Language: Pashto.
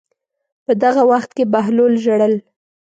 په دغه وخت کې بهلول ژړل.